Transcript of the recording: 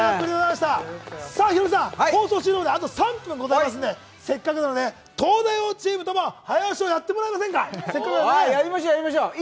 さあヒロミさん、放送終了まであと３分ありますのでせっかくなので、東大王チームとも早押しをやってもらえませんか？